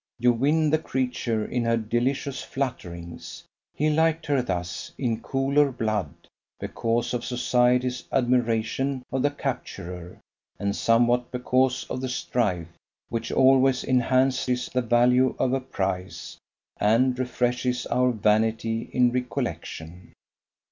You win the creature in her delicious flutterings. He liked her thus, in cooler blood, because of society's admiration of the capturer, and somewhat because of the strife, which always enhances the value of a prize, and refreshes our vanity in recollection.